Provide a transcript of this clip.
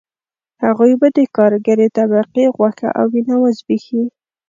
هغوی به د کارګرې طبقې غوښه او وینه وزبېښي